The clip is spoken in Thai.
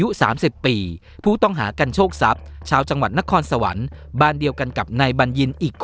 อายุสามสิบปีผู้ต้องหากันโชคซัดชาวจังหวัดนครสวรรค์บ้านเดียวกันกับในบรรยินอีกคลม